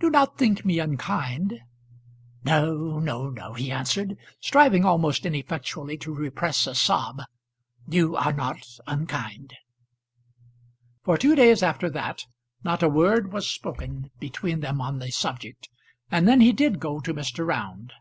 "Do not think me unkind." "No, no, no," he answered, striving almost ineffectually to repress a sob. "You are not unkind." For two days after that not a word was spoken between them on the subject, and then he did go to Mr. Round.